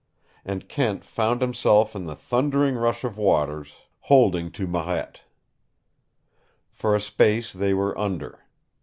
And Kent found himself in the thundering rush of waters, holding to Marette. For a space they were under.